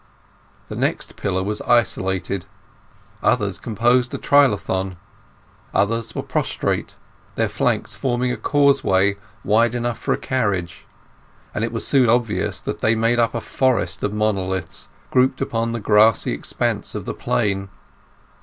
The next pillar was isolated; others composed a trilithon; others were prostrate, their flanks forming a causeway wide enough for a carriage; and it was soon obvious that they made up a forest of monoliths grouped upon the grassy expanse of the plain.